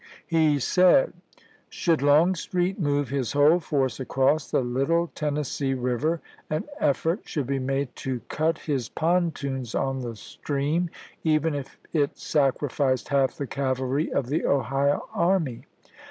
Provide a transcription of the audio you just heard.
He said :" Should Longstreet move his whole force across the Little Tennessee River, an effort should be made to cut his pontoons on the stream, even if it sacrificed half the cavalry of the Ohio Army.